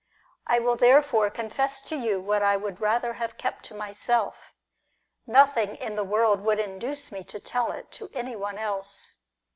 I will therefore confess to you what I would rather have kept to myself; nothing in the world would induce me to tell it to anyone else.